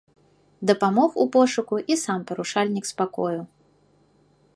Дапамог у пошуку і сам парушальнік спакою.